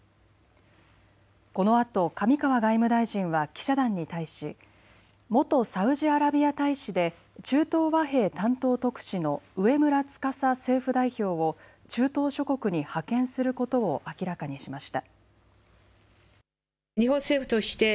このあと、上川外務大臣は記者団に対し元サウジアラビア大使で中東和平担当特使の上村司政府代表を中東諸国に派遣することを明らかにしました。